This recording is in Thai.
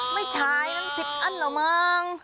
ไม่ใช่นั้นผิดอั้นเหรอมั้ง